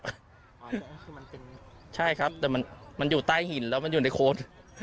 อันนี้คือมันเป็นใช่ครับแต่มันอยู่ใต้หินแล้วมันอยู่ในโค้ด